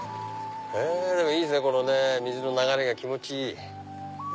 いいですね水の流れが気持ちいい！